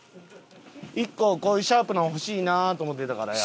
１個こういうシャープなの欲しいなと思ってたからよ。